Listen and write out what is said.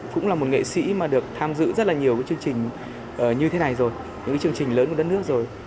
cũng là một nghệ sĩ mà được tham dự rất là nhiều cái chương trình như thế này rồi những chương trình lớn của đất nước rồi